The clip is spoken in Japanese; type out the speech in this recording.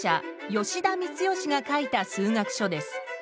吉田光由が書いた数学書です。